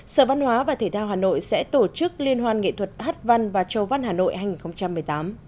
sở văn hóa và thể thao hà nội sẽ tổ chức liên hoan nghệ thuật hát văn và châu văn hà nội hai nghìn một mươi tám